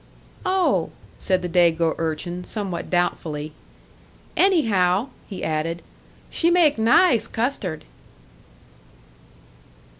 "Oh," said the Dago urchin, somewhat doubtfully. "Anyhow," he added, "she make nice custard!"